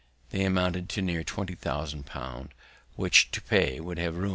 They amounted to near twenty thousand pound, which to pay would have ruined me.